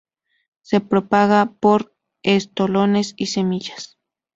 Se propaga por estolones y semillas.